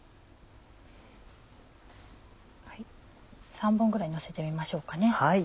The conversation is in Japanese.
３本ぐらいのせてみましょうかね。